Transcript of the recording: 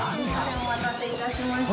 お待たせいたしました。